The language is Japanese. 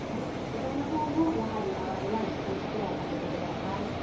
具材のほうもやはり周りは１ｃｍぐらい空けてください。